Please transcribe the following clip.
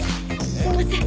すいません。